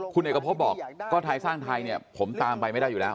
คุณเอกพบบอกก็ไทยสร้างไทยเนี่ยผมตามไปไม่ได้อยู่แล้ว